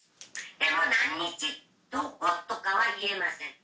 でも、何日、どことかは言えません。